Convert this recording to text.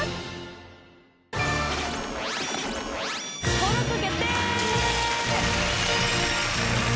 登録決定！